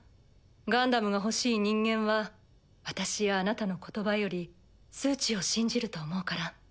ガンダムが欲しい人間は私やあなたの言葉より数値を信じると思うから。